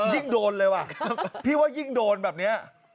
ยิ่งโดนเลยว่ะพี่ว่ายิ่งโดนแบบนี้